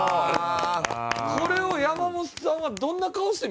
これを山本さんはどんな顔して見るんでしょうね？